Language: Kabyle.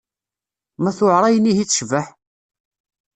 Ma tuɛer ayen ihi i tecbeḥ?